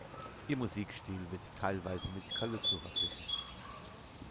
Ihr Musikstil wird teilweise mit Calypso verglichen.